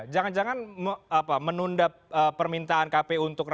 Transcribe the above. jangan jangan menunda permintaan kpu